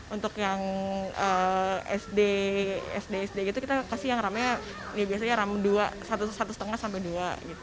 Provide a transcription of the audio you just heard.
untuk yang sd sd gitu kita kasih yang ram nya ya biasanya ram satu lima sampai dua gitu